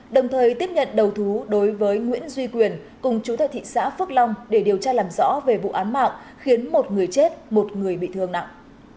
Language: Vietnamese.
đồng thời tiếp nhận đầu thú đối với nguyễn duy quyền cùng chú tại thị xã phước long để điều tra làm rõ về vụ án mạng khiến một người chết một người bị thương nặng